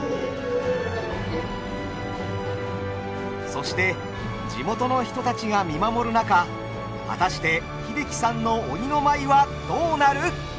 そして地元の人たちが見守る中果たして英樹さんの鬼の舞はどうなる！？